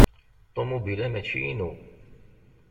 Ṭumubil-a mačči inu.